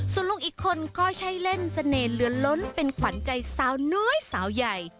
ส่วนลูกอีกคนก็ใช่เล่นเสน่ห์เหลือนล้นเป็นขวัญใจสาวน้อยสาวใหญ่